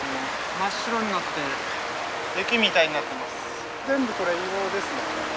真っ白になって雪みたいになってます。